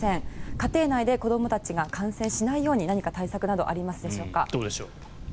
家庭内で子どもたちが感染しないように何か対策などありますでしょうか？